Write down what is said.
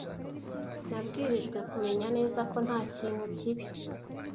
Nabwirijwe kumenya neza ko ntakintu kibi.